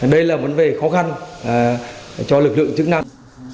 đây là vấn đề khó khăn cho lực lượng chức năng